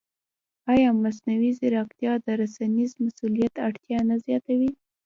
ایا مصنوعي ځیرکتیا د رسنیز مسوولیت اړتیا نه زیاتوي؟